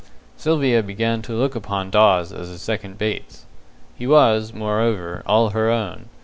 Sylvia began to look upon Dawes as a second Bates. He was, moreover, all her own.